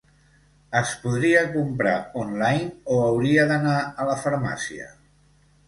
Es podria comprar online o hauria d'anar a la farmàcia?